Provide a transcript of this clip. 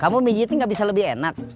kamu mijitnya gak bisa lebih enak